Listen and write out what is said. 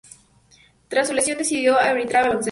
Tras su lesión decidió arbitrar a baloncesto.